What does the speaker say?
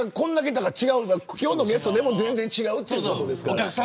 今日のゲストでも全然違うということです。